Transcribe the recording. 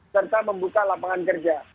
serta membuka lapangan kerja